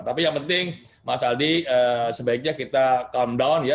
tapi yang penting mas aldi sebaiknya kita countdown ya